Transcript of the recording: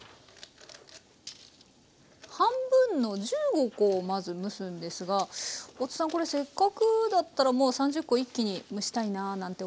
半分の１５個をまず蒸すんですが大津さんこれせっかくだったらもう３０個一気に蒸したいなあなんて思うんですが。